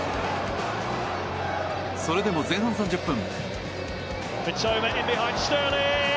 それでも前半３０分。